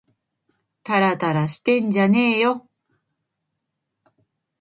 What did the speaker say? たらたらしてんじゃねぇよ